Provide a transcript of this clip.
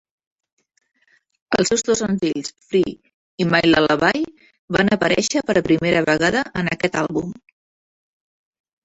Els seus dos senzills "Free" i "My Lullaby" van aparèixer per primera vegada en aquest àlbum.